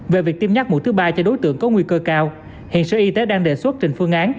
về việc tiêm nhắc mũi thứ ba cho đối tượng có nguy cơ cao hiện sở y tế đang đề xuất trình phương án